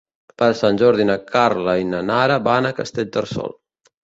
Per Sant Jordi na Carla i na Nara van a Castellterçol.